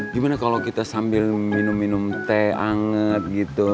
gimana kalau kita sambil minum minum teh anget gitu